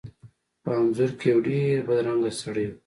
په انځور کې یو ډیر بدرنګه سړی و.